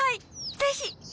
ぜひ！